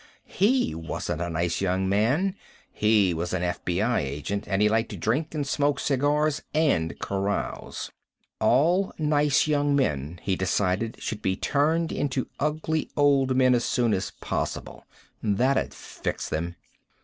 He wasn't a nice young man; he was an FBI agent, and he liked to drink and smoke cigars and carouse. All nice young men, he decided, should be turned into ugly old men as soon as possible. That'd fix them!